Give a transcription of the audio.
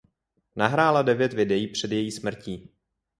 Nahrála devět videí před její smrtí.